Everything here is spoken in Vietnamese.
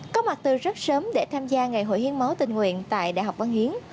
có mặt từ rất sớm để tham gia ngày hội hiến máu tình nguyện tại đại học văn hiến